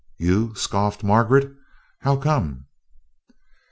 You?" scoffed Margaret. "How come?"